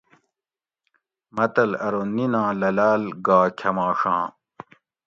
"متل ارو ""نِیناں للاۤل گھا کھماڛاں"""